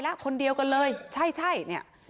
เวลาเรียนดวงด้วยใช่ไหม